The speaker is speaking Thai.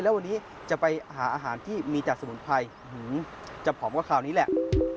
แล้ววันนี้จะไปหาอาหารที่มีจากสมุนไพรจะผอมกว่าคราวนี้แหละ